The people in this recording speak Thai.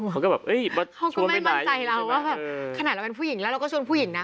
เขาก็ไม่มั่นใจเราขนาดเราเป็นผู้หญิงแล้วเราก็ชวนผู้หญิงนะ